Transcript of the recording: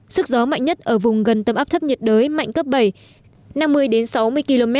sức gió mạnh nhất ở vùng gần tâm áp thấp nhiệt đới mạnh cấp bảy năm mươi sáu mươi km